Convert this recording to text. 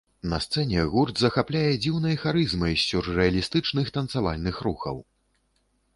На сцэне гурт захапляе дзіўнай харызмай з сюррэалістычных танцавальных рухаў.